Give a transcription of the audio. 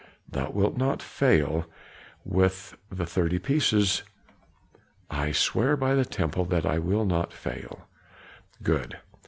Thou wilt not fail with the thirty pieces?" "I swear by the Temple that I will not fail." "Good!